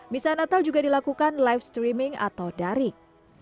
misa natal juga dilakukan live streaming atau daring